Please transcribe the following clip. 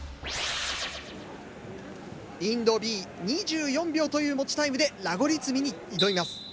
インドＢ２４秒という持ちタイムでラゴリ積みに挑みます。